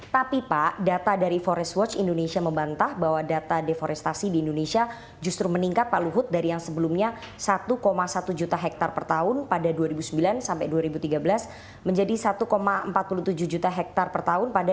tapi pak data dari forest watch indonesia membantah bahwa data deforestasi di indonesia justru meningkat pak luhut dari yang sebelumnya satu satu juta hektar per tahun pada dua ribu sembilan sampai dua ribu tiga belas menjadi satu empat puluh tujuh juta hektar per tahun pada dua ribu tiga belas dua ribu tujuh belas